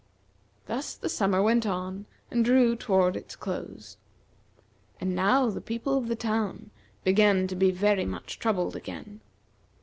Thus the summer went on, and drew toward its close. And now the people of the town began to be very much troubled again.